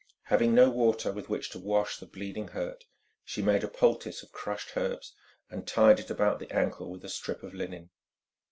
Having no water with which to wash the bleeding hurt, she made a poultice of crushed herbs and tied it about the ankle with a strip of linen.